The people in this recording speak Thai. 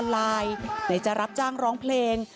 ของออนไลน์ไหนจะรับจ้างร้องเพลง